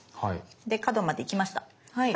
で角まで行きました。